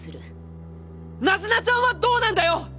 ナズナちゃんはどうなんだよ！？